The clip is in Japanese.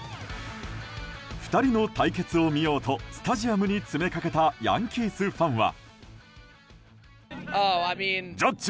２人の対決を見ようとスタジアムに詰めかけたヤンキースファンは。